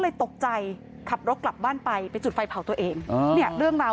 ตกใจขับรถกลับบ้านไปไปจุดไฟเผาตัวเองอ๋อเนี่ยเรื่องราว